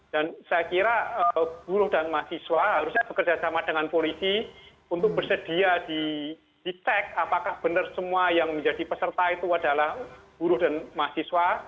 dan saya kira buruh dan mahasiswa harusnya bekerjasama dengan polisi untuk bersedia di check apakah benar semua yang menjadi peserta itu adalah buruh dan mahasiswa